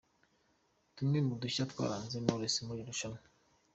Tumwe mu dushya twaranze Knowless muri iri rushanwa.